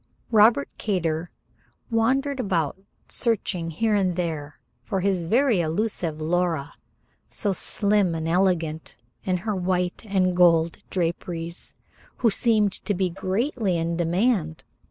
Robert Kater wandered about, searching here and there for his very elusive Laura, so slim and elegant in her white and gold draperies, who seemed to be greatly in demand.